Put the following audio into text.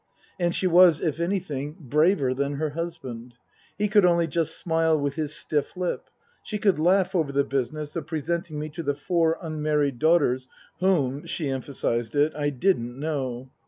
And she was, if anything, braver than her husband. He could only just smile with his stiff lip ; she could laugh over the business of presenting me to the four unmarried daughters whom (she emphasized it) I didn't know.